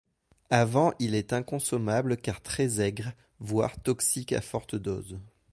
Avant il est inconsommable car très aigre, voire toxique à forte dose.